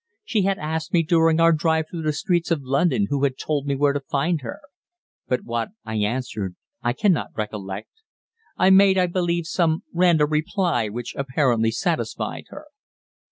She had asked me during our drive through the streets of London who had told me where to find her; but what I answered I cannot recollect. I made, I believe, some random reply which apparently satisfied her.